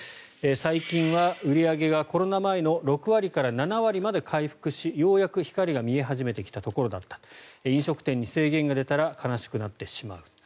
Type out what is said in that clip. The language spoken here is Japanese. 最近は売り上げがコロナ前の６割から７割まで回復しようやく光が見え始めてきたところだった飲食店に制限が出たら悲しくなってしまう。